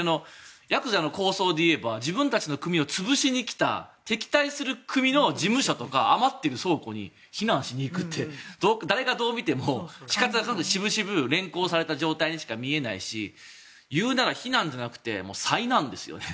やくざの抗争でいえば自分たちの組を潰しに来た敵対する組の事務所とか余ってる倉庫に避難しに行くって誰がどう見ても、しぶしぶ連行された状態にしか見えないしいうなら避難じゃなくて災難ですよね。